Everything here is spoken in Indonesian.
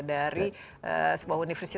dari sebuah universitas